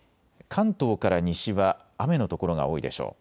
関東から西は雨の所が多いでしょう。